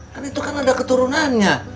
kan itu kan ada keturunannya